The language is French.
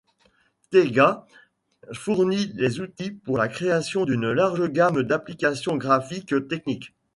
Teigha fournit les outils pour la création d'une large gamme d'applications graphiques techniques.